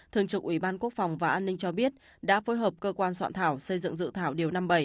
thường trực ủy ban quốc phòng và an ninh cho biết đã phối hợp cơ quan soạn thảo xây dựng dự thảo điều năm mươi bảy